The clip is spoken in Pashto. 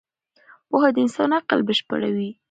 پوهه د انسان عقل بشپړوي.